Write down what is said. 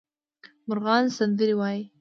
مرغان سندرې وايي